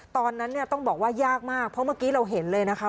ตอนนั้นเนี่ยต้องบอกว่ายากมากเพราะเมื่อกี้เราเห็นเลยนะคะ